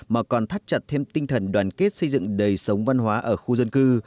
mà còn thắt chặt thêm tinh thần đoàn kết xây dựng đời sống văn hóa ở khu dân cư